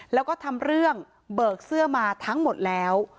แล้วก็ทำเรื่องเบิกเสื้อมาทั้งหมดแล้ว